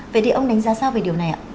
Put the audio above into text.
vậy thì ông đánh giá sao về điều này ạ